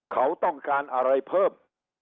เขาต้องการอะไรเพิ่ม